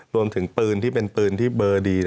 รวมถึงปืนที่เป็นปืนที่เบอร์ดี